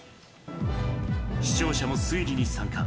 視聴者も推理に参加。